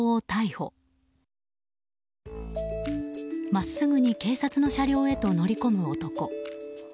真っすぐに警察の車両へと乗り込む男。